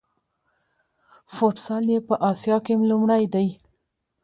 فوټسال یې په اسیا کې لومړی دی.